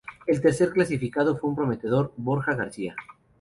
El tercer clasificado fue un prometedor Borja García.